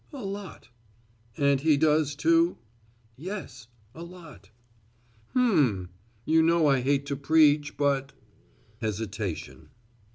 "A lot." "And he does, too?" "Yes, a lot." "Hmm you know I hate to preach, but " Hesitation.